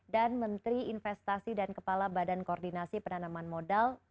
dan menteri investasi dan kepala badan koordinasi penanaman modal